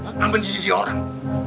ngamben jadi dia orang